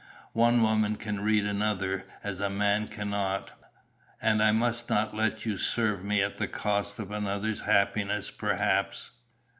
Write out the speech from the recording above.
One woman can read another as a man cannot, and I must not let you serve me at the cost of another's happiness perhaps."